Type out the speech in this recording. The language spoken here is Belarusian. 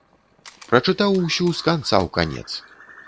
Прачытаў усю з канца ў канец.